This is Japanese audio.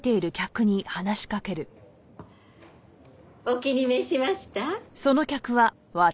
お気に召しました？